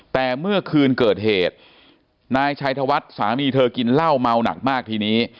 แต่เมื่อคืนเกิดเหตุนายชัยธวัฒน์สามีเธอกินเหล้าเมาหนักมากทีนี้